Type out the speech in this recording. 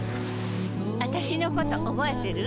あたしのこと覚えてる？